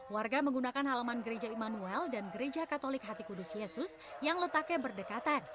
warga menggunakan halaman gereja immanuel dan gereja katolik hati kudus yesus yang letaknya berdekatan